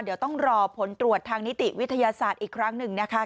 เดี๋ยวต้องรอผลตรวจทางนิติวิทยาศาสตร์อีกครั้งหนึ่งนะคะ